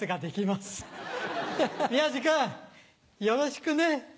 よろしくね。